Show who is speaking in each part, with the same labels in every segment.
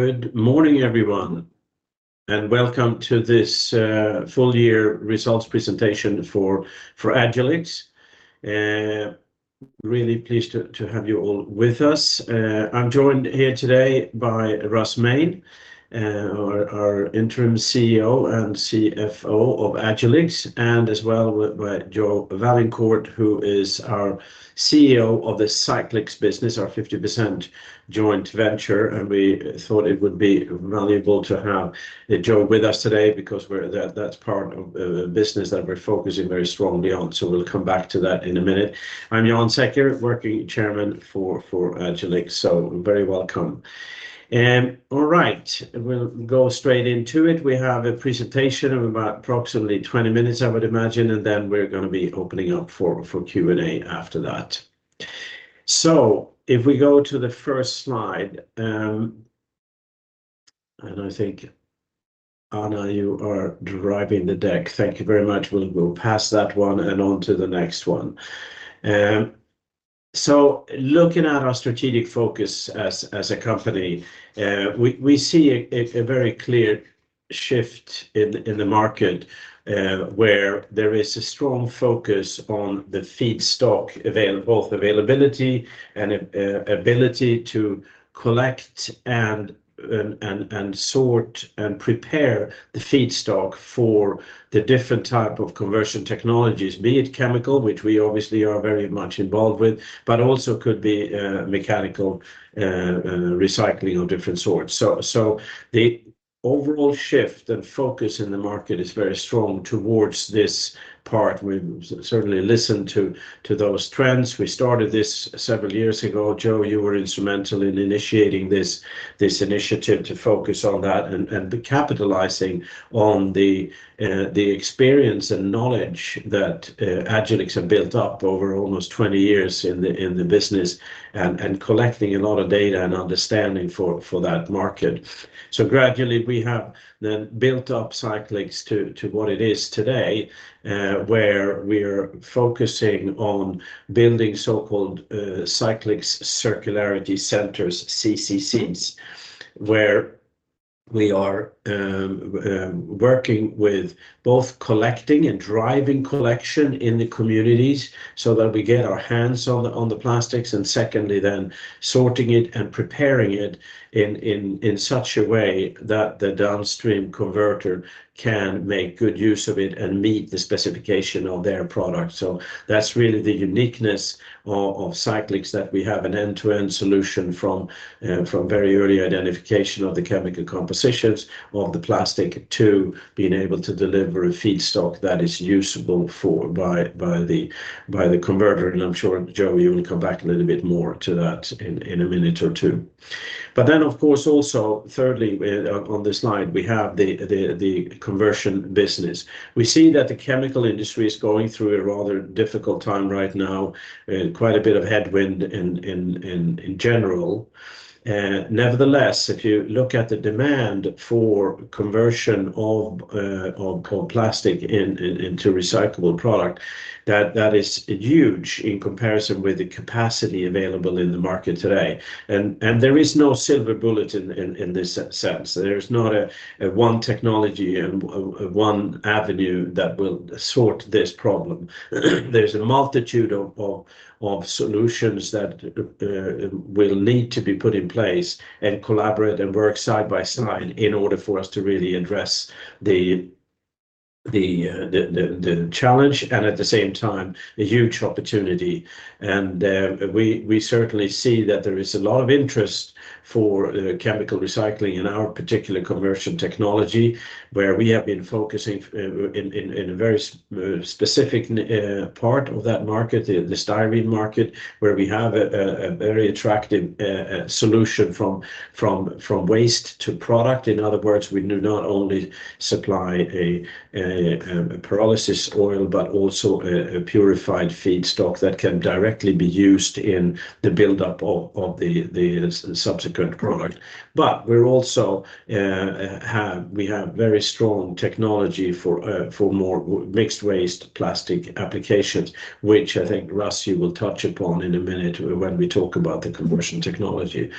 Speaker 1: Good morning, everyone, and welcome to this full year results presentation for Agilyx. Really pleased to have you all with us. I'm joined here today by Russ Main, our interim CEO and CFO of Agilyx, and as well by Joe Vaillancourt, who is our CEO of the Cyclyx business, our 50% joint venture. We thought it would be valuable to have Joe with us today because that's part of the business that we're focusing very strongly on. So we'll come back to that in a minute. I'm Jan Secher, working Chairman for Agilyx, so very welcome. All right. We'll go straight into it. We have a presentation of about approximately 20 minutes, I would imagine, and then we're gonna be opening up for Q&A after that. So if we go to the first slide, and I think, Anna, you are driving the deck. Thank you very much. We'll pass that one and on to the next one. So looking at our strategic focus as a company, we see a very clear shift in the market, where there is a strong focus on the feedstock both availability and ability to collect, sort, and prepare the feedstock for the different type of conversion technologies, be it chemical, which we obviously are very much involved with, but also could be mechanical recycling of different sorts. So the overall shift and focus in the market is very strong towards this part. We certainly listen to those trends. We started this several years ago. Joe, you were instrumental in initiating this initiative to focus on that and capitalizing on the experience and knowledge that Agilyx have built up over almost 20 years in the business, and collecting a lot of data and understanding for that market. So gradually, we have then built up Cyclyx to what it is today, where we're focusing on building so-called Cyclyx Circularity Centers, CCCs, where we are working with both collecting and driving collection in the communities so that we get our hands on the plastics, and secondly, then sorting it and preparing it in such a way that the downstream converter can make good use of it and meet the specification of their product. So that's really the uniqueness of Cyclyx, that we have an end-to-end solution from very early identification of the chemical compositions of the plastic to being able to deliver a feedstock that is usable for by the converter. And I'm sure, Joe, you will come back a little bit more to that in a minute or two. But then, of course, also, thirdly, on this slide, we have the conversion business. We see that the chemical industry is going through a rather difficult time right now, quite a bit of headwind in general. Nevertheless, if you look at the demand for conversion of plastic into recyclable product, that is huge in comparison with the capacity available in the market today. There is no silver bullet in this sense. There is not one technology and one avenue that will sort this problem. There's a multitude of solutions that will need to be put in place and collaborate and work side by side in order for us to really address the challenge and at the same time, a huge opportunity. We certainly see that there is a lot of interest for chemical recycling in our particular conversion technology, where we have been focusing in a very specific part of that market, the styrene market, where we have a very attractive solution from waste to product. In other words, we do not only supply a pyrolysis oil, but also a purified feedstock that can directly be used in the buildup of the subsequent product. But we also have very strong technology for for more mixed waste plastic applications, which I think, Russ, you will touch upon in a minute when we talk about the conversion technology.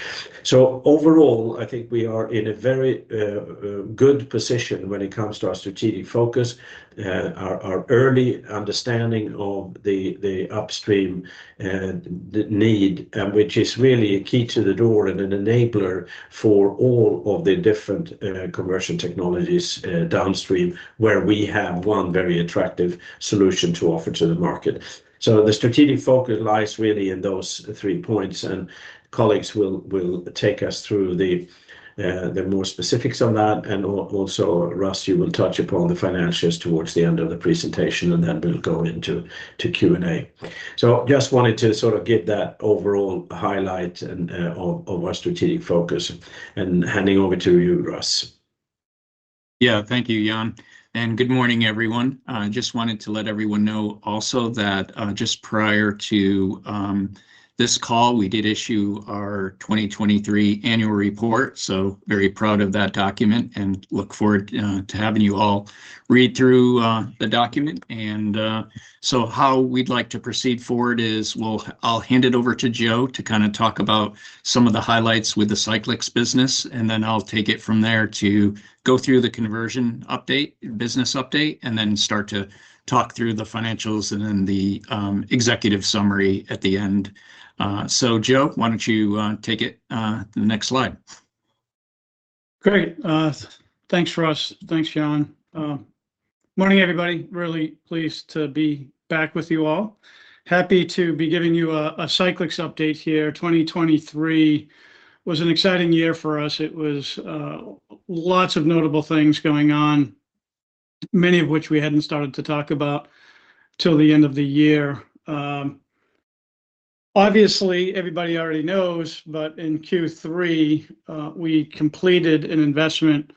Speaker 1: So overall, I think we are in a very good position when it comes to our strategic focus. Our early understanding of the upstream need, which is really a key to the door and an enabler for all of the different conversion technologies downstream, where we have one very attractive solution to offer to the market. So the strategic focus lies really in those three points, and colleagues will take us through the more specifics on that. And also, Russ, you will touch upon the financials towards the end of the presentation, and then we'll go into Q&A. So just wanted to sort of give that overall highlight and of our strategic focus, and handing over to you, Russ.
Speaker 2: Yeah. Thank you, Jan, and good morning, everyone. I just wanted to let everyone know also that, just prior to this call, we did issue our 2023 annual report. So very proud of that document and look forward to having you all read through the document. And so how we'd like to proceed forward is I'll hand it over to Joe to kind of talk about some of the highlights with the Cyclyx business, and then I'll take it from there to go through the conversion update, business update, and then start to talk through the financials and then the executive summary at the end. So Joe, why don't you take it to the next slide?
Speaker 3: Great. Thanks, Russ. Thanks, Jan. Morning, everybody. Really pleased to be back with you all. Happy to be giving you a Cyclyx update here. 2023 was an exciting year for us. It was, lots of notable things going on, many of which we hadn't started to talk about till the end of the year. Obviously, everybody already knows, but in Q3, we completed an investment,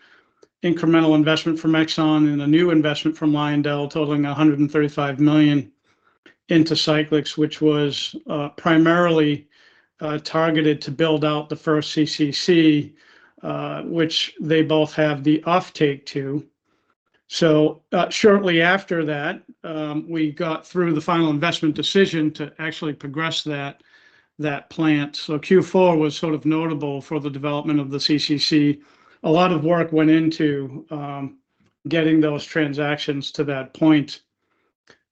Speaker 3: incremental investment from Exxon and a new investment from Lyondell, totaling $135 million into Cyclyx, which was, primarily, targeted to build out the first CCC, which they both have the offtake to. So, shortly after that, we got through the final investment decision to actually progress that plant. So Q4 was sort of notable for the development of the CCC. A lot of work went into getting those transactions to that point.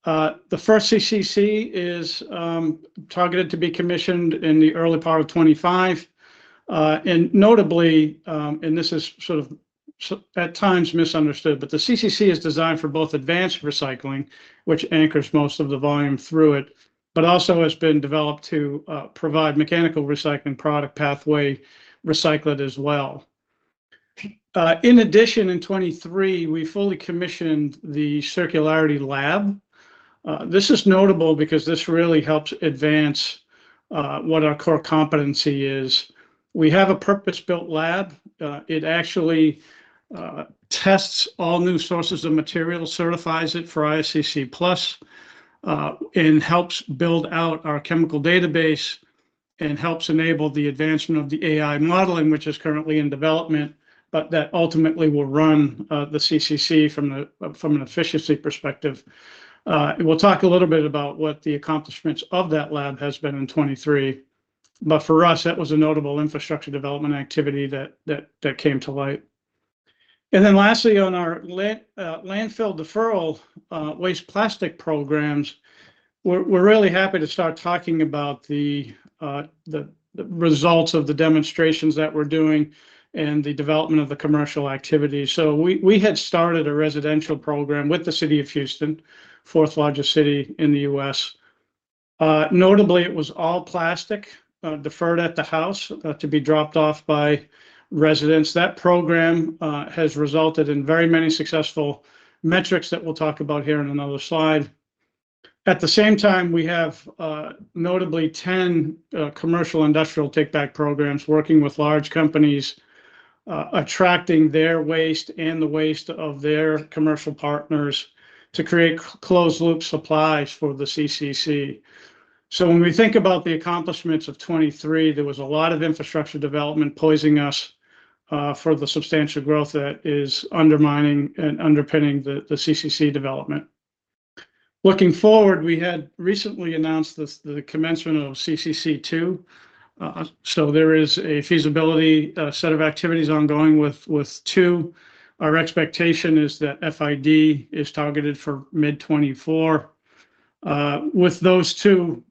Speaker 3: The first CCC is targeted to be commissioned in the early part of 2025. And notably, and this is sort of at times misunderstood, but the CCC is designed for both advanced recycling, which anchors most of the volume through it, but also has been developed to provide mechanical recycling product pathway recyclate as well. In addition, in 2023, we fully commissioned the Circularity Lab. This is notable because this really helps advance what our core competency is. We have a purpose-built lab. It actually tests all new sources of material, certifies it for ISCC PLUS, and helps build out our chemical database, and helps enable the advancement of the AI modeling, which is currently in development, but that ultimately will run the CCC from the, from an efficiency perspective. And we'll talk a little bit about what the accomplishments of that lab has been in 2023, but for us, that was a notable infrastructure development activity that came to light. And then lastly, on our land, landfill deferral, waste plastic programs, we're really happy to start talking about the results of the demonstrations that we're doing and the development of the commercial activity. So we had started a residential program with the City of Houston, fourth largest city in the U.S. Notably, it was all plastic delivered at the house to be dropped off by residents. That program has resulted in very many successful metrics that we'll talk about here in another slide. At the same time, we have notably 10 commercial industrial takeback programs working with large companies, attracting their waste and the waste of their commercial partners to create closed loop supplies for the CCC. So when we think about the accomplishments of 2023, there was a lot of infrastructure development positioning us for the substantial growth that is underpinning the CCC development. Looking forward, we had recently announced the commencement of CCC2. So there is a feasibility set of activities ongoing with 2. Our expectation is that FID is targeted for mid-2024. With those two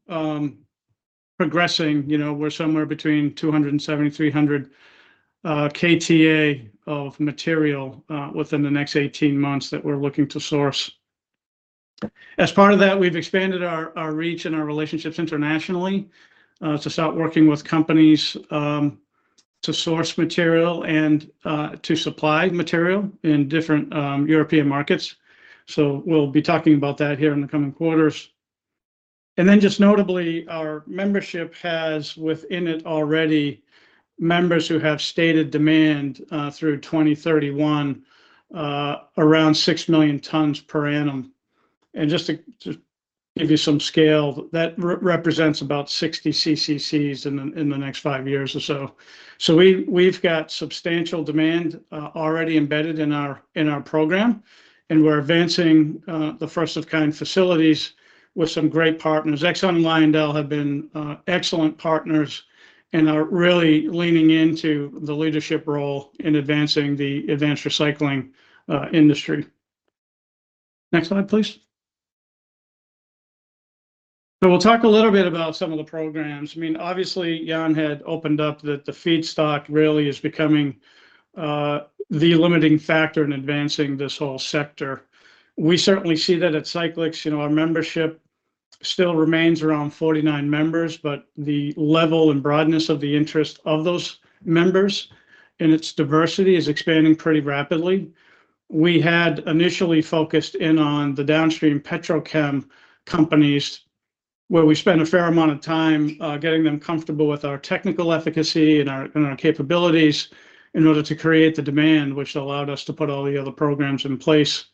Speaker 3: progressing, you know, we're somewhere between 270 KTA and 300 KTA of material within the next 18 months that we're looking to source. As part of that, we've expanded our reach and our relationships internationally to start working with companies to source material and to supply material in different European markets. So we'll be talking about that here in the coming quarters. And then, just notably, our membership has, within it already, members who have stated demand through 2031 around 6 million tons per annum. And just to give you some scale, that represents about 60 CCCs in the next 5 years or so. So we, we've got substantial demand, already embedded in our, in our program, and we're advancing, the first of kind facilities with some great partners. Exxon and Lyondell have been, excellent partners and are really leaning into the leadership role in advancing the advanced recycling, industry. Next slide, please. So we'll talk a little bit about some of the programs. I mean, obviously, Jan had opened up that the feedstock really is becoming, the limiting factor in advancing this whole sector. We certainly see that at Cyclyx. You know, our membership still remains around 49 members, but the level and broadness of the interest of those members and its diversity is expanding pretty rapidly. We had initially focused in on the downstream petrochem companies, where we spent a fair amount of time getting them comfortable with our technical efficacy and our capabilities in order to create the demand, which allowed us to put all the other programs in place.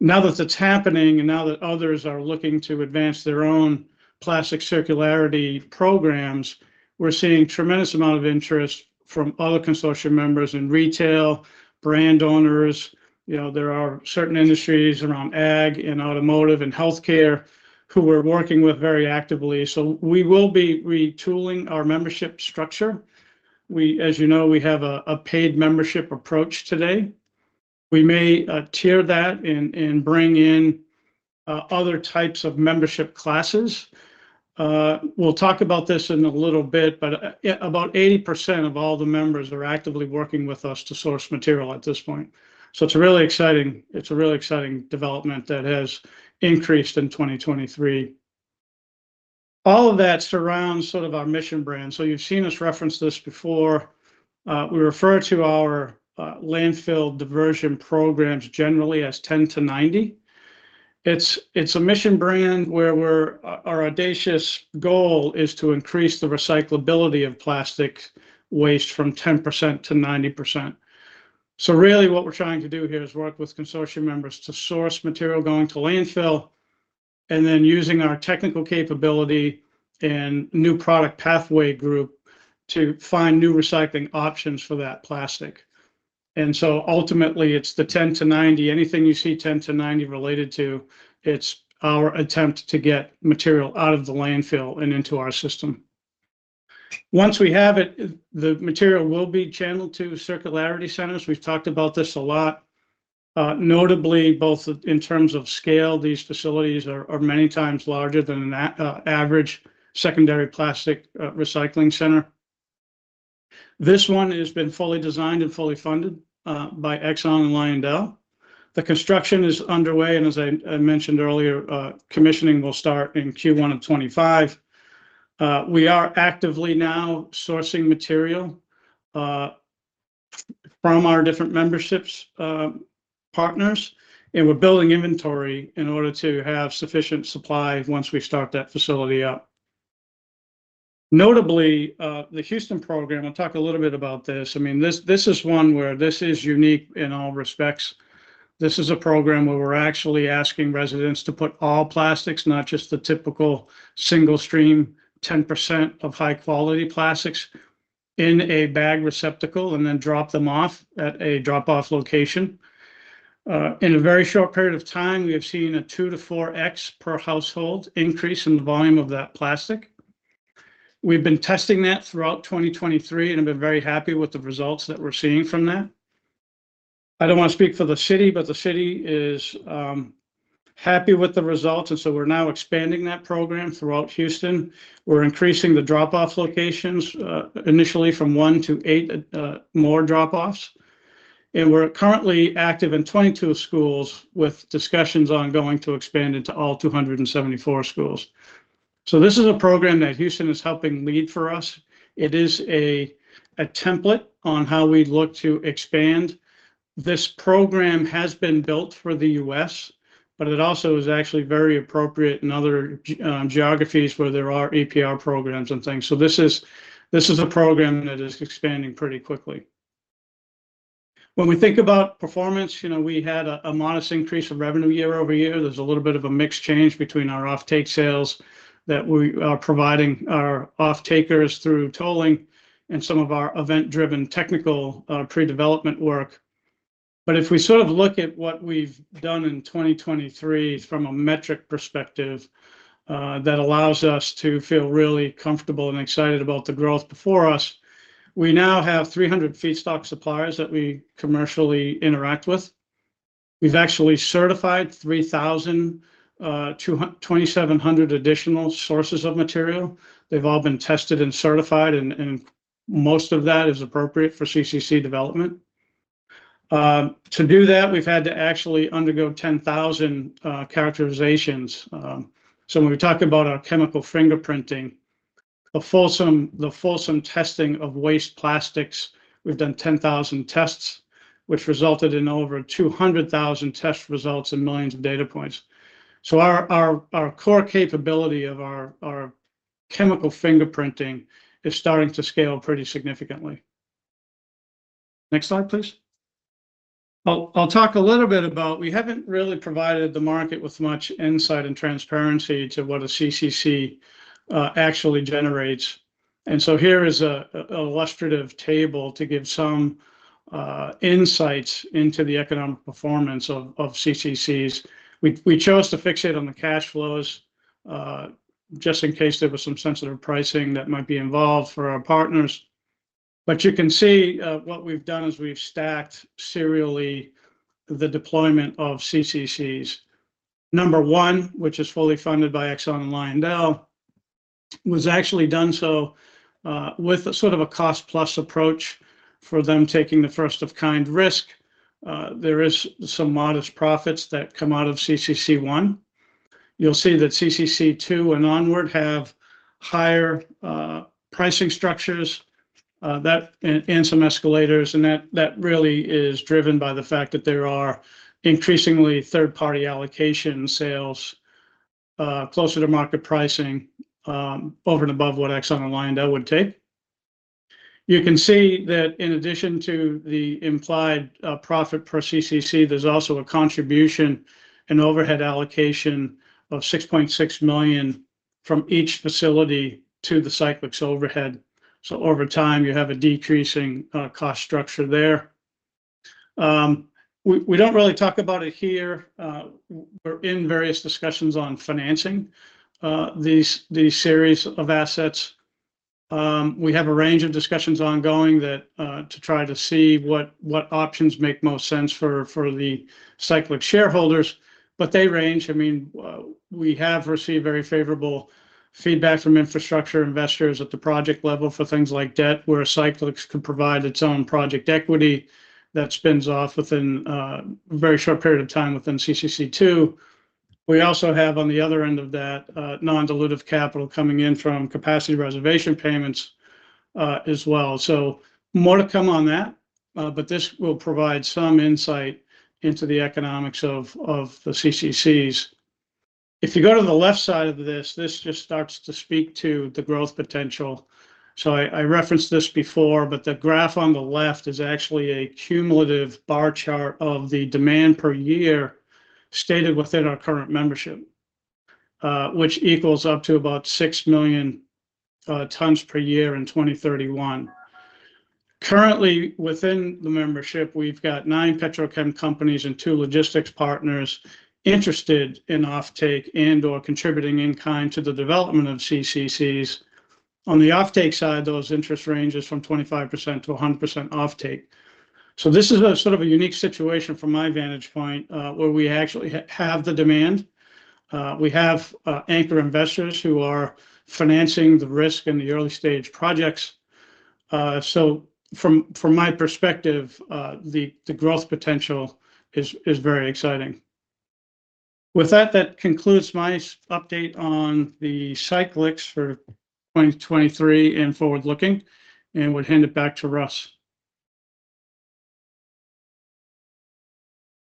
Speaker 3: Now that it's happening, and now that others are looking to advance their own plastic circularity programs, we're seeing tremendous amount of interest from other consortium members in retail, brand owners. You know, there are certain industries around ag and automotive and healthcare who we're working with very actively. So we will be retooling our membership structure. As you know, we have a paid membership approach today. We may tier that and bring in other types of membership classes. We'll talk about this in a little bit, but, yeah, about 80% of all the members are actively working with us to source material at this point. So it's a really exciting, it's a really exciting development that has increased in 2023. All of that surrounds sort of our mission brand. So you've seen us reference this before. We refer to our landfill diversion programs generally as 10to90. It's, it's a mission brand where we're our audacious goal is to increase the recyclability of plastic waste from 10%-90%. So really, what we're trying to do here is work with consortium members to source material going to landfill, and then using our technical capability and new product pathway group to find new recycling options for that plastic. And so ultimately, it's the 10to90. Anything you see 10to90 related to, it's our attempt to get material out of the landfill and into our system. Once we have it, the material will be channeled to circularity centers. We've talked about this a lot. Notably, both in terms of scale, these facilities are many times larger than an average secondary plastic recycling center. This one has been fully designed and fully funded by Exxon and Lyondell. The construction is underway, and as I mentioned earlier, commissioning will start in Q1 of 2025. We are actively now sourcing material from our different memberships, partners, and we're building inventory in order to have sufficient supply once we start that facility up. Notably, the Houston program, I'll talk a little bit about this. I mean, this, this is one where this is unique in all respects. This is a program where we're actually asking residents to put all plastics, not just the typical single stream, 10% of high quality plastics, in a bag receptacle and then drop them off at a drop-off location. In a very short period of time, we have seen a 2x-4x per household increase in the volume of that plastic. We've been testing that throughout 2023 and have been very happy with the results that we're seeing from that. I don't want to speak for the city, but the city is happy with the results, and so we're now expanding that program throughout Houston. We're increasing the drop-off locations, initially from 1 drop-offs-8 drop-offs, more drop-offs. We're currently active in 22 schools, with discussions ongoing to expand into all 274 schools. So this is a program that Houston is helping lead for us. It is a template on how we'd look to expand. This program has been built for the U.S., but it also is actually very appropriate in other geographies where there are EPR programs and things. So this is, this is a program that is expanding pretty quickly. When we think about performance, you know, we had a modest increase of revenue year-over-year. There's a little bit of a mix change between our offtake sales that we are providing our offtakers through tolling and some of our event-driven technical pre-development work. But if we sort of look at what we've done in 2023 from a metric perspective, that allows us to feel really comfortable and excited about the growth before us, we now have 300 feedstock suppliers that we commercially interact with. We've actually certified 3,000, 2,700 additional sources of material. They've all been tested and certified, and most of that is appropriate for CCC development. To do that, we've had to actually undergo 10,000 characterizations. So when we talk about our chemical fingerprinting, the fulsome, the fulsome testing of waste plastics, we've done 10,000 tests, which resulted in over 200,000 test results and millions of data points. So our core capability of our chemical fingerprinting is starting to scale pretty significantly. Next slide, please. I'll talk a little bit about. We haven't really provided the market with much insight and transparency to what a CCC actually generates. So here is an illustrative table to give some insights into the economic performance of CCCs. We chose to fixate on the cash flows just in case there was some sensitive pricing that might be involved for our partners. But you can see what we've done is we've stacked serially the deployment of CCCs. Number one, which is fully funded by Exxon and Lyondell, was actually done so with sort of a cost-plus approach for them taking the first of kind risk. There is some modest profits that come out of CCC1. You'll see that CCC2 and onward have higher pricing structures that and some escalators, and that really is driven by the fact that there are increasingly third-party allocation sales closer to market pricing over and above what Exxon and Lyondell would take. You can see that in addition to the implied profit per CCC, there's also a contribution and overhead allocation of $6.6 million from each facility to the Cyclyx overhead. So over time, you have a decreasing cost structure there. We don't really talk about it here. We're in various discussions on financing these series of assets. We have a range of discussions ongoing that to try to see what options make most sense for the Cyclyx shareholders, but they range. I mean, we have received very favorable feedback from infrastructure investors at the project level for things like debt, where Cyclyx could provide its own project equity that spins off within, a very short period of time within CCC2. We also have, on the other end of that, non-dilutive capital coming in from capacity reservation payments, as well. So more to come on that, but this will provide some insight into the economics of, of the CCCs. If you go to the left side of this, this just starts to speak to the growth potential. So I, I referenced this before, but the graph on the left is actually a cumulative bar chart of the demand per year stated within our current membership, which equals up to about 6 million tons per year in 2031. Currently, within the membership, we've got nine petrochem companies and two logistics partners interested in offtake and/or contributing in-kind to the development of CCCs. On the offtake side, those interest range is from 25%-100% offtake. So this is a sort of a unique situation from my vantage point, where we actually have the demand. We have anchor investors who are financing the risk in the early-stage projects. So from my perspective, the growth potential is very exciting. With that, that concludes my update on the Cyclyx for 2023 and forward-looking, and would hand it back to Russ.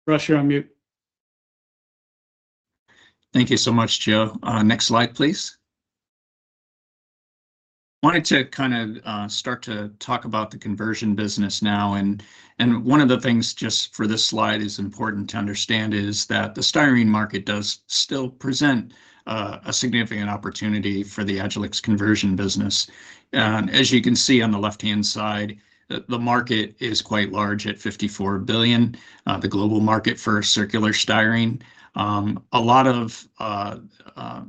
Speaker 3: Russ, you're on mute.
Speaker 2: Thank you so much, Joe. Next slide, please. Wanted to kind of start to talk about the conversion business now, and one of the things just for this slide is important to understand is that the styrene market does still present a significant opportunity for the Agilyx conversion business. And as you can see on the left-hand side, the market is quite large at $54 billion, the global market for circular styrene. A lot of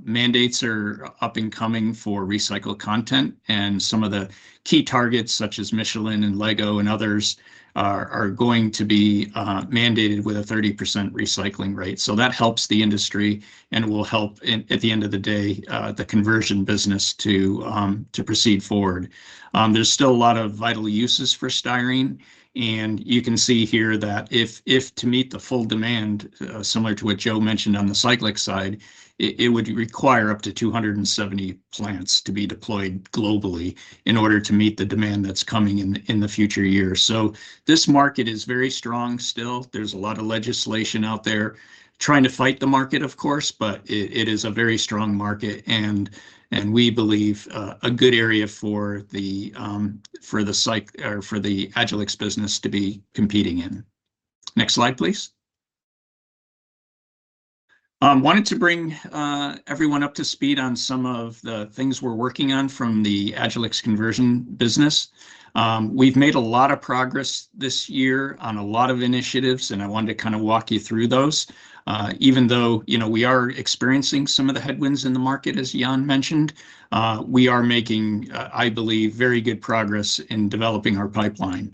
Speaker 2: mandates are up and coming for recycled content, and some of the key targets, such as Michelin and LEGO and others, are going to be mandated with a 30% recycling rate. So that helps the industry and will help in, at the end of the day, the conversion business to proceed forward. There's still a lot of vital uses for styrene, and you can see here that if to meet the full demand, similar to what Joe mentioned on the Cyclyx side, it would require up to 270 plants to be deployed globally in order to meet the demand that's coming in the future years. So this market is very strong still. There's a lot of legislation out there trying to fight the market, of course, but it is a very strong market and we believe a good area for the Agilyx business to be competing in. Next slide, please. Wanted to bring everyone up to speed on some of the things we're working on from the Agilyx conversion business. We've made a lot of progress this year on a lot of initiatives, and I wanted to kind of walk you through those. Even though, you know, we are experiencing some of the headwinds in the market, as Jan mentioned, we are making, I believe, very good progress in developing our pipeline.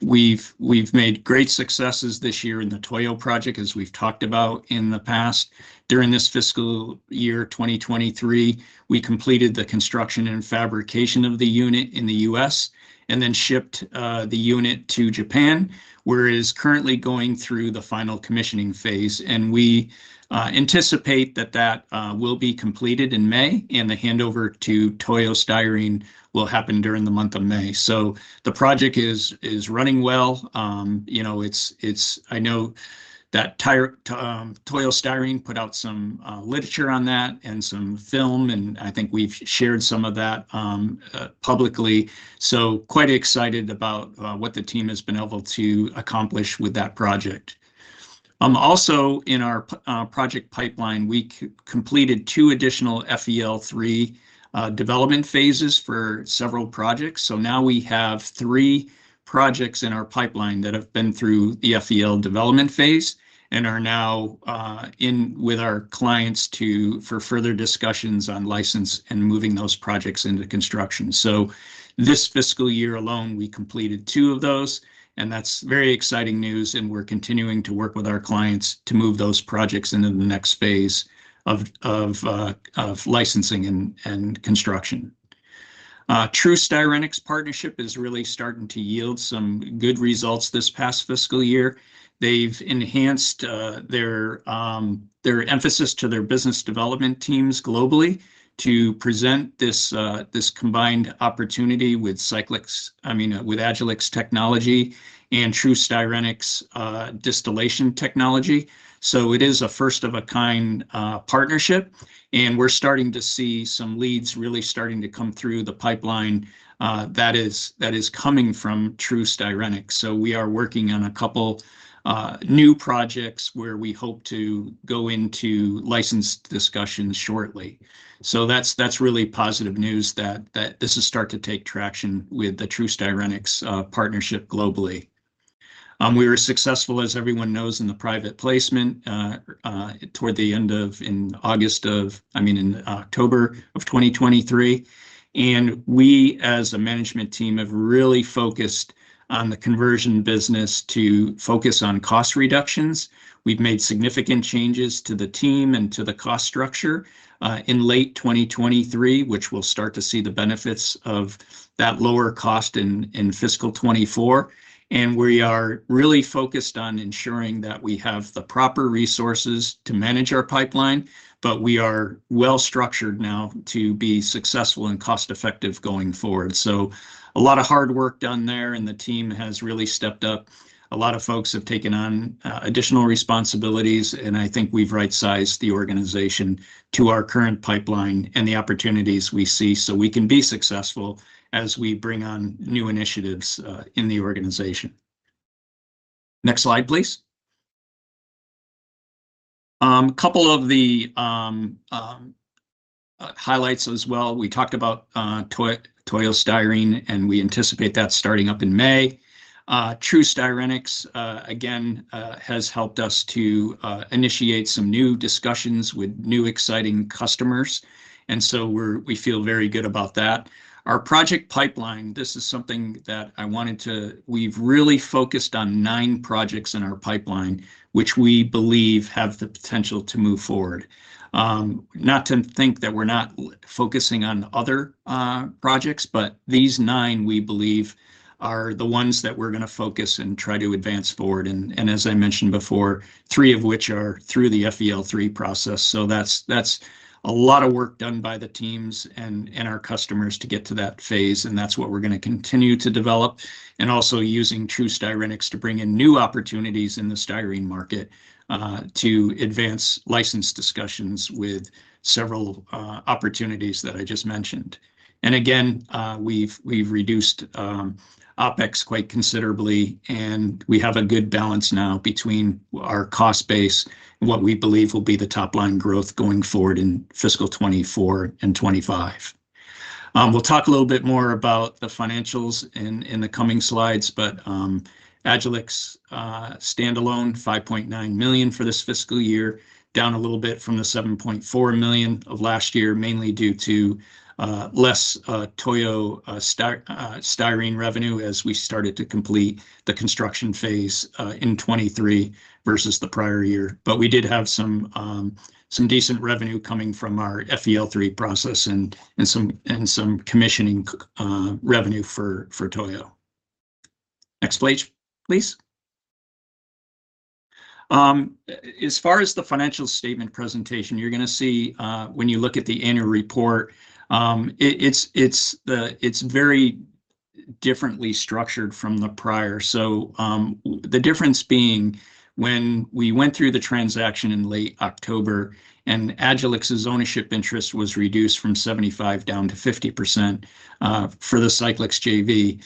Speaker 2: We've made great successes this year in the Toyo project, as we've talked about in the past. During this fiscal year, 2023, we completed the construction and fabrication of the unit in the U.S. and then shipped the unit to Japan, where it is currently going through the final commissioning phase. We anticipate that that will be completed in May, and the handover to Toyo Styrene will happen during the month of May. So the project is running well. You know, it's I know that Toyo Styrene put out some literature on that and some film, and I think we've shared some of that publicly, so quite excited about what the team has been able to accomplish with that project. Also in our project pipeline, we completed two additional FEL3 development phases for several projects. So now we have three projects in our pipeline that have been through the FEL development phase and are now in with our clients for further discussions on license and moving those projects into construction. So this fiscal year alone, we completed two of those, and that's very exciting news, and we're continuing to work with our clients to move those projects into the next phase of licensing and construction. TruStyrenyx partnership is really starting to yield some good results this past fiscal year. They've enhanced their emphasis to their business development teams globally to present this combined opportunity with Cyclyx, I mean, with Agilyx technology and TruStyrenyx distillation technology. So it is a first-of-a-kind partnership, and we're starting to see some leads really starting to come through the pipeline that is coming from TruStyrenyx. So we are working on a couple new projects where we hope to go into license discussions shortly. So that's really positive news that this has started to take traction with the TruStyrenyx partnership globally. We were successful, as everyone knows, in the private placement toward the end of October 2023. We, as a management team, have really focused on the conversion business to focus on cost reductions. We've made significant changes to the team and to the cost structure in late 2023, which we'll start to see the benefits of that lower cost in fiscal 2024. We are really focused on ensuring that we have the proper resources to manage our pipeline, but we are well-structured now to be successful and cost-effective going forward. So a lot of hard work done there, and the team has really stepped up. A lot of folks have taken on additional responsibilities, and I think we've right-sized the organization to our current pipeline and the opportunities we see, so we can be successful as we bring on new initiatives in the organization. Next slide, please. A couple of the highlights as well. We talked about Toyo Styrene, and we anticipate that starting up in May. TruStyrenyx, again, has helped us to initiate some new discussions with new, exciting customers, and so we're, we feel very good about that. Our project pipeline, this is something that I wanted to. We've really focused on nine projects in our pipeline, which we believe have the potential to move forward. Not to think that we're not focusing on other projects, but these nine, we believe, are the ones that we're gonna focus and try to advance forward, and as I mentioned before, three of which are through the FEL3 process. So that's a lot of work done by the teams and our customers to get to that phase, and that's what we're gonna continue to develop. And also using TruStyrenyx to bring in new opportunities in the styrene market to advance license discussions with several opportunities that I just mentioned. And again, we've reduced OpEx quite considerably, and we have a good balance now between our cost base and what we believe will be the top-line growth going forward in fiscal 2024 and 2025. We'll talk a little bit more about the financials in the coming slides, but Agilyx standalone $5.9 million for this fiscal year, down a little bit from the $7.4 million of last year, mainly due to less Toyo Styrene revenue as we started to complete the construction phase in 2023 versus the prior year. But we did have some decent revenue coming from our FEL3 process and some commissioning revenue for Toyo. Next slide, please. As far as the financial statement presentation, you're gonna see when you look at the annual report, it's very differently structured from the prior. So, the difference being, when we went through the transaction in late October and Agilyx's ownership interest was reduced from 75% down to 50%, for the Cyclyx JV,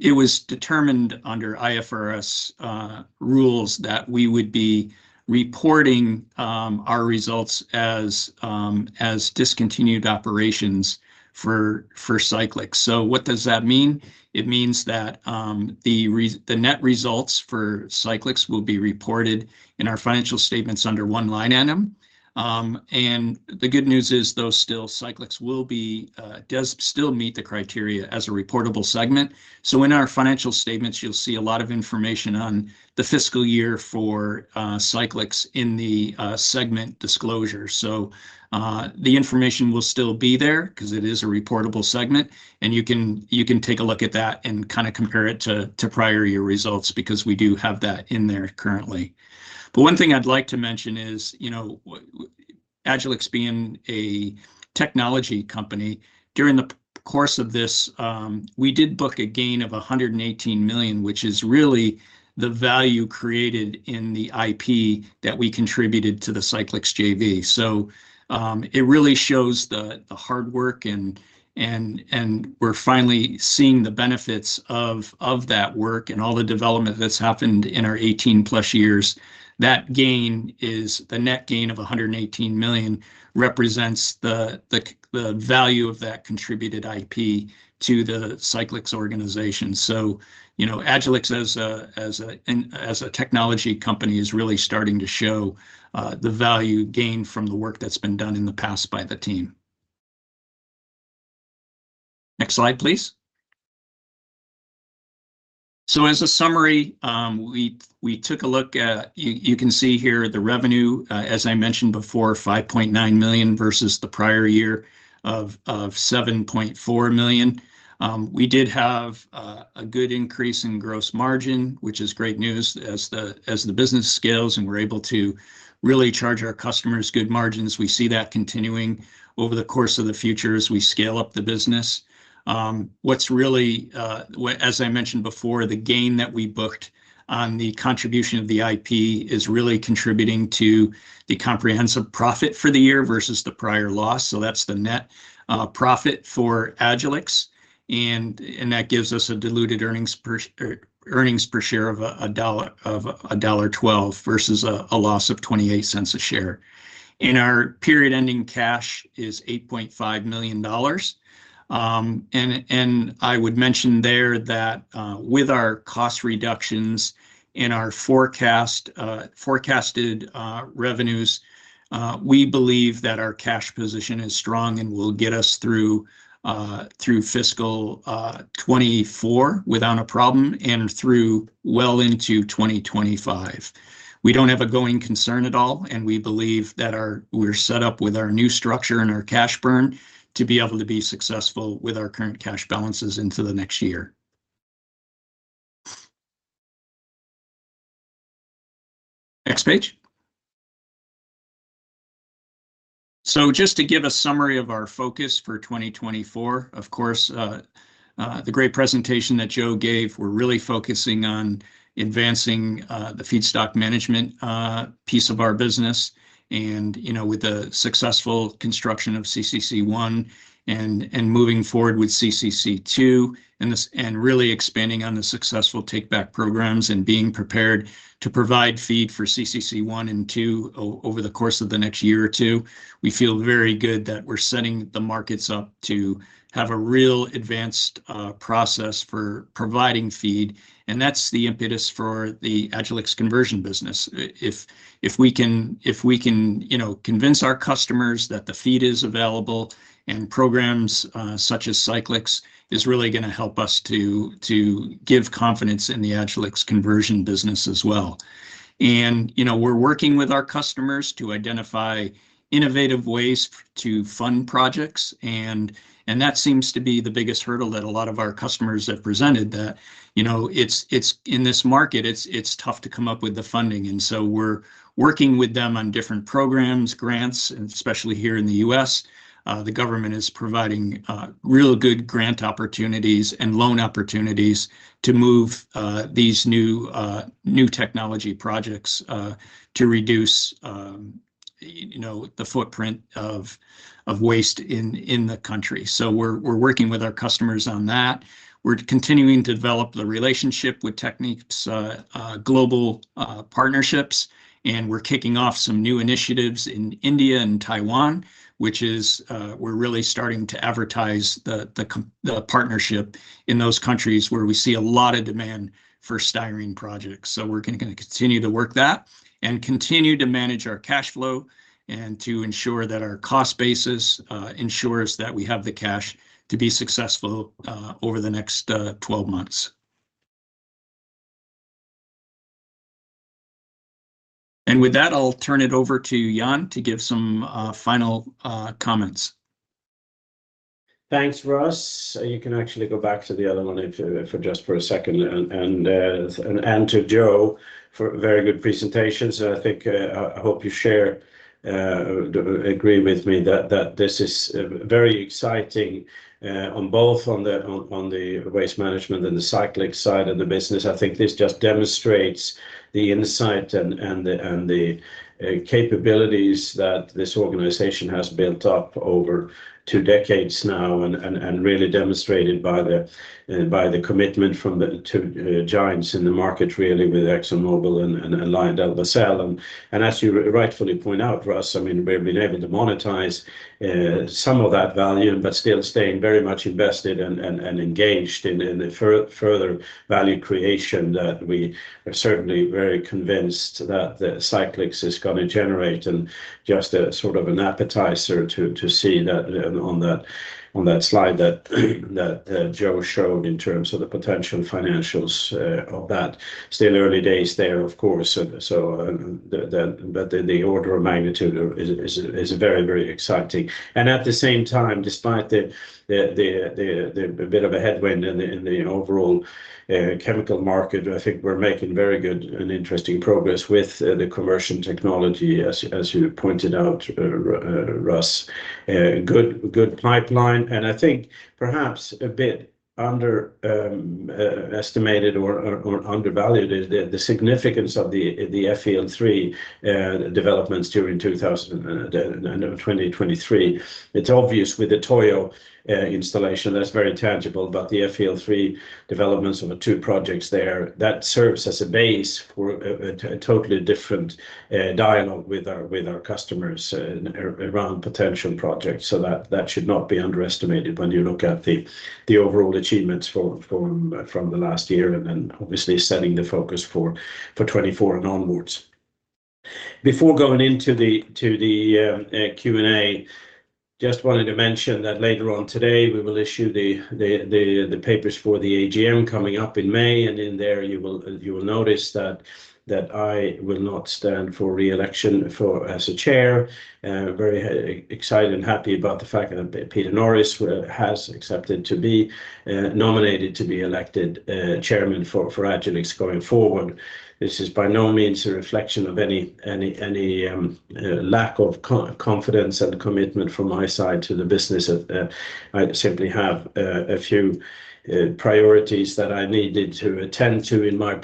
Speaker 2: it was determined under IFRS rules that we would be reporting our results as discontinued operations for Cyclyx. So what does that mean? It means that the net results for Cyclyx will be reported in our financial statements under one line item. And the good news is, though, still Cyclyx will be, does still meet the criteria as a reportable segment. So in our financial statements, you'll see a lot of information on the fiscal year for Cyclyx in the segment disclosure. So, the information will still be there because it is a reportable segment, and you can, you can take a look at that and kind of compare it to, to prior year results, because we do have that in there currently. But one thing I'd like to mention is, you know, Agilyx being a technology company, during the course of this, we did book a gain of $118 million, which is really the value created in the IP that we contributed to the Cyclyx JV. So, it really shows the hard work, and we're finally seeing the benefits of that work and all the development that's happened in our 18+ years. That gain is the net gain of $118 million, represents the value of that contributed IP to the Cyclyx organization. So, you know, Agilyx as a technology company, is really starting to show the value gained from the work that's been done in the past by the team. Next slide, please. So as a summary, we took a look at you can see here the revenue, as I mentioned before, $5.9 million versus the prior year of $7.4 million. We did have a good increase in gross margin, which is great news. As the business scales and we're able to really charge our customers good margins, we see that continuing over the course of the future as we scale up the business. What's really, as I mentioned before, the gain that we booked on the contribution of the IP is really contributing to the comprehensive profit for the year versus the prior loss. So that's the net profit for Agilyx. And that gives us a diluted earnings per share of $1.12 versus a loss of $0.28 a share. And our period-ending cash is $8.5 million. And I would mention there that with our cost reductions and our forecasted revenues, we believe that our cash position is strong and will get us through fiscal 2024 without a problem, and through well into 2025. We don't have a going concern at all, and we believe that we're set up with our new structure and our cash burn to be able to be successful with our current cash balances into the next year. Next page. So just to give a summary of our focus for 2024, of course, the great presentation that Joe gave, we're really focusing on advancing the feedstock management piece of our business. You know, with the successful construction of CCC1 and moving forward with CCC2, and really expanding on the successful takeback programs and being prepared to provide feed for CCC 1 and 2 over the course of the next year or two. We feel very good that we're setting the markets up to have a real advanced process for providing feed, and that's the impetus for the Agilyx conversion business. If we can convince our customers that the feed is available, and programs such as Cyclyx is really gonna help us to give confidence in the Agilyx conversion business as well. And, you know, we're working with our customers to identify innovative ways to fund projects and that seems to be the biggest hurdle that a lot of our customers have presented, that, you know, it's in this market, it's tough to come up with the funding. And so we're working with them on different programs, grants, and especially here in the U.S., the government is providing real good grant opportunities and loan opportunities to move these new new technology projects to reduce, you know, the footprint of waste in the country. So we're working with our customers on that. We're continuing to develop the relationship with Technip Energies' global partnerships, and we're kicking off some new initiatives in India and Taiwan, which is, we're really starting to advertise the partnership in those countries where we see a lot of demand for styrene projects. So we're gonna continue to work that and continue to manage our cash flow, and to ensure that our cost basis ensures that we have the cash to be successful over the next 12 months. And with that, I'll turn it over to Jan to give some final comments.
Speaker 1: Thanks, Russ. You can actually go back to the other one if for just a second, and to Joe for a very good presentation. So I think I hope you share agree with me that this is very exciting on both on the on the waste management and the Cyclyx side of the business. I think this just demonstrates the insight and the capabilities that this organization has built up over two decades now, and really demonstrated by the commitment from the two giants in the market, really, with ExxonMobil and LyondellBasell. And as you rightfully point out, Russ, I mean, we've been able to monetize some of that value, but still staying very much invested and engaged in the further value creation that we are certainly very convinced that the Cyclyx is gonna generate. And just a sort of an appetizer to see that on that slide that Joe showed in terms of the potential financials of that. Still early days there, of course, so but the order of magnitude is very exciting. And at the same time, despite the bit of a headwind in the overall chemical market, I think we're making very good and interesting progress with the conversion technology, as you pointed out, Russ. Good pipeline, and I think perhaps a bit underestimated or undervalued is the significance of the FEL3 developments during 2023. It's obvious with the Toyo installation, that's very tangible, but the FEL3 developments of the two projects there, that serves as a base for a totally different dialogue with our customers around potential projects. So that should not be underestimated when you look at the overall achievements from the last year, and then obviously setting the focus for 2024 and onwards. Before going into the Q&A, just wanted to mention that later on today, we will issue the papers for the AGM coming up in May, and in there you will notice that I will not stand for re-election as a chair. Very excited and happy about the fact that Peter Norris has accepted to be nominated to be elected Chairman for Agilyx going forward. This is by no means a reflection of any lack of confidence and commitment from my side to the business. I simply have a few priorities that I needed to attend to in my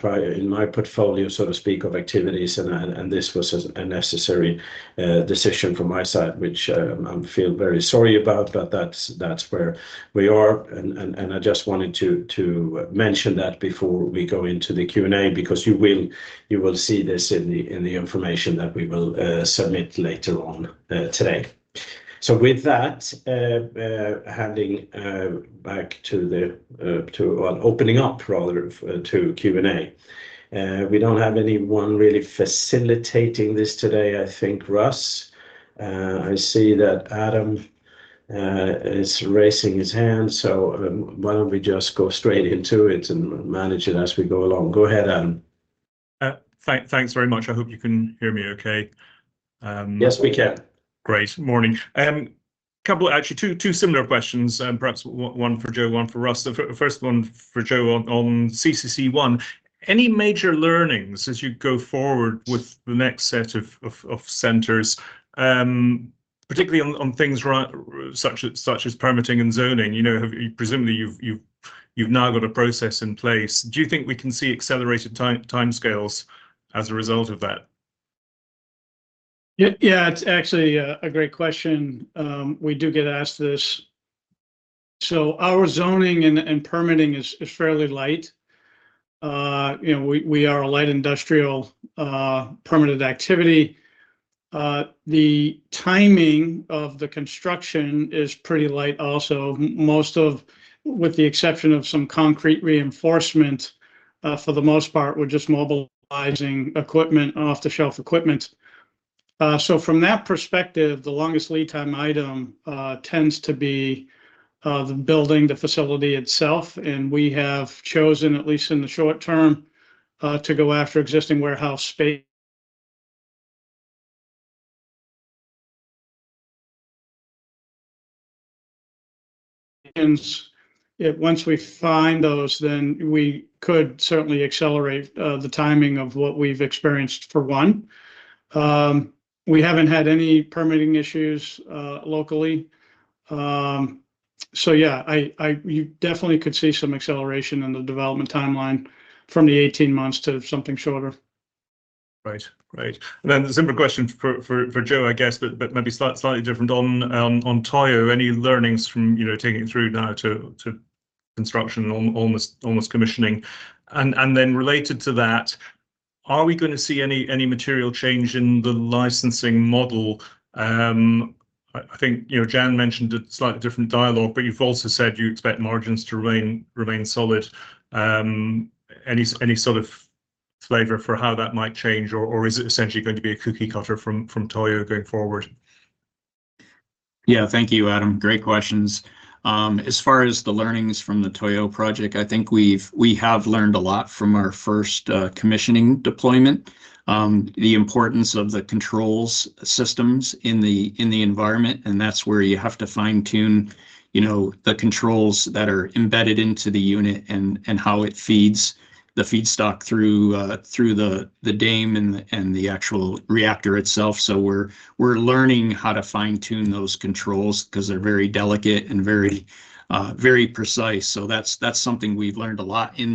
Speaker 1: portfolio, so to speak, of activities, and this was a necessary decision from my side, which I feel very sorry about, but that's where we are. And I just wanted to mention that before we go into the Q&A, because you will see this in the information that we will submit later on today. So with that, handing back to the... Well, opening up rather to Q&A. We don't have anyone really facilitating this today. I think, Russ. I see that Adam is raising his hand, so why don't we just go straight into it and manage it as we go along? Go ahead, Adam.
Speaker 4: Thanks very much. I hope you can hear me okay.
Speaker 1: Yes, we can.
Speaker 4: Good morning. Actually two similar questions, and perhaps one for Joe, one for Russ. The first one for Joe on CCC1, any major learnings as you go forward with the next set of centers, particularly on things such as permitting and zoning? You know, presumably, you've now got a process in place. Do you think we can see accelerated timescales as a result of that?
Speaker 3: Yeah, yeah, it's actually a great question. We do get asked this. So our zoning and permitting is fairly light. You know, we are a light industrial permitted activity. The timing of the construction is pretty light also. Most of, with the exception of some concrete reinforcement, for the most part, we're just mobilizing equipment, off-the-shelf equipment. So from that perspective, the longest lead time item tends to be the building the facility itself, and we have chosen, at least in the short term, to go after existing warehouse space. And once we find those, then we could certainly accelerate the timing of what we've experienced for one. We haven't had any permitting issues locally. So yeah, you definitely could see some acceleration in the development timeline from the 18 months to something shorter.
Speaker 4: Great. Great. And then a similar question for Joe, I guess, but maybe slightly different. On Toyo, any learnings from, you know, taking it through now to construction, almost commissioning? And then related to that, are we going to see any material change in the licensing model? I think, you know, Jan mentioned a slightly different dialogue, but you've also said you expect margins to remain solid. Any sort of flavor for how that might change, or is it essentially going to be a cookie cutter from Toyo going forward?
Speaker 2: Yeah. Thank you, Adam. Great questions. As far as the learnings from the Toyo project, I think we have learned a lot from our first commissioning deployment. The importance of the control systems in the environment, and that's where you have to fine-tune, you know, the controls that are embedded into the unit and how it feeds the feedstock through the depol and the actual reactor itself. So we're learning how to fine-tune those controls 'cause they're very delicate and very precise. So that's something we've learned a lot in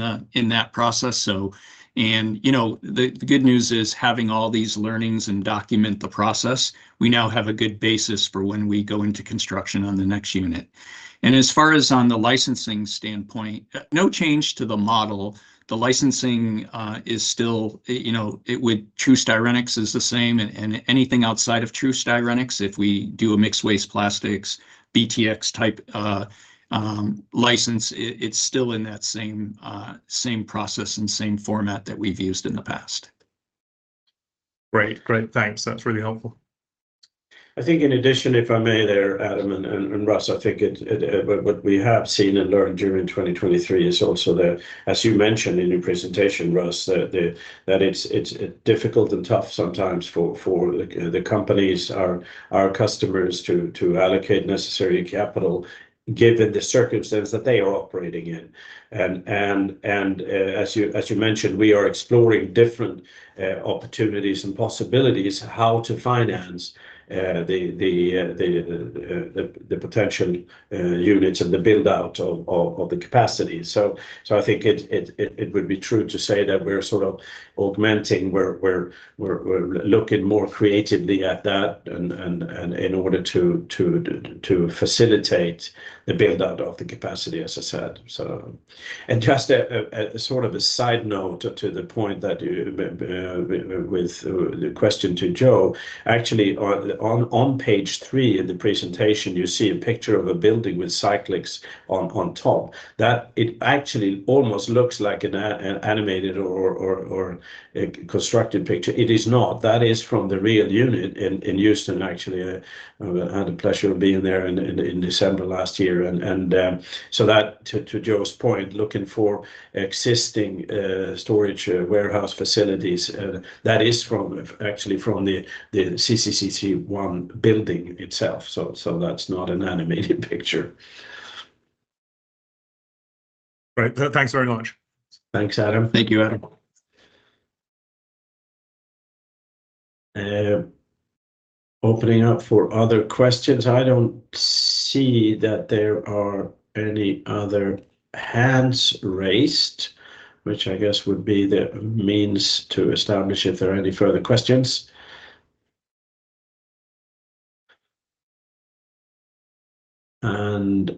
Speaker 2: that process, so. You know, the good news is, having all these learnings and document the process, we now have a good basis for when we go into construction on the next unit. As far as on the licensing standpoint, no change to the model. The licensing is still... You know, it, with TruStyrenyx, is the same, and, and anything outside of TruStyrenyx, if we do a mixed waste plastics, BTX-type license, it, it's still in that same, same process and same format that we've used in the past.
Speaker 4: Great. Great, thanks. That's really helpful.
Speaker 1: I think in addition, if I may there, Adam and Russ, I think what we have seen and learned during 2023 is also that, as you mentioned in your presentation, Russ, that it's difficult and tough sometimes for the companies, our customers to allocate necessary capital, given the circumstance that they are operating in. And as you mentioned, we are exploring different opportunities and possibilities how to finance the potential units and the build-out of the capacity. So, I think it would be true to say that we're sort of augmenting, we're looking more creatively at that and in order to facilitate the build-out of the capacity, as I said, so... And just a sort of side note to the point that with the question to Joe, actually, on page three in the presentation, you see a picture of a building with Cyclyx on top. That, it actually almost looks like an animated or a constructed picture. It is not. That is from the real unit in Houston, actually. I had the pleasure of being there in December last year. To Joe's point, looking for existing storage warehouse facilities that is actually from the CCC1 building itself, so that's not an animated picture.
Speaker 4: Great. Thanks very much.
Speaker 1: Thanks, Adam.
Speaker 2: Thank you, Adam.
Speaker 1: Opening up for other questions. I don't see that there are any other hands raised, which I guess would be the means to establish if there are any further questions. And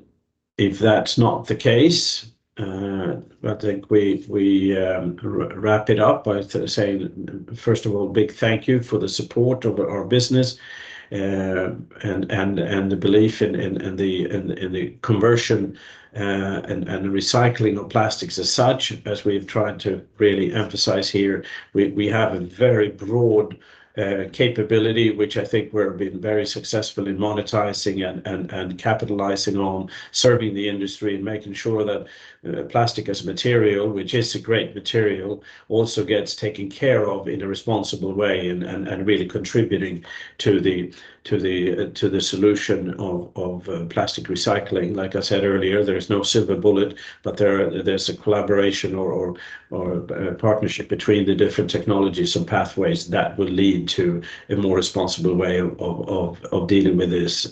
Speaker 1: if that's not the case, I think we wrap it up by saying, first of all, a big thank you for the support of our business, and the belief in the conversion and recycling of plastics as such, as we've tried to really emphasize here. We have a very broad capability, which I think we've been very successful in monetizing and capitalizing on, serving the industry and making sure that plastic as a material, which is a great material, also gets taken care of in a responsible way and really contributing to the solution of plastic recycling. Like I said earlier, there is no silver bullet, but there's a collaboration or a partnership between the different technologies and pathways that will lead to a more responsible way of dealing with this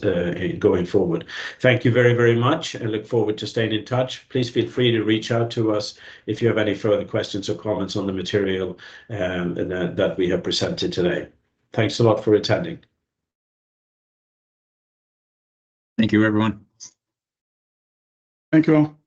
Speaker 1: going forward. Thank you very much, and look forward to staying in touch. Please feel free to reach out to us if you have any further questions or comments on the material that we have presented today. Thanks a lot for attending.
Speaker 2: Thank you, everyone.
Speaker 3: Thank you all.